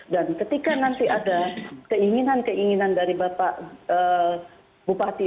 dan ketika nanti ada keinginan keinginan dari bapak bupati